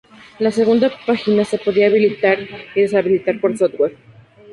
La segunda página se podía habilitar o deshabilitar por software.